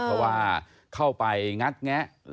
เพราะว่าเข้าไปงัดแงะ